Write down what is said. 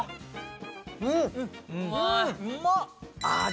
あ！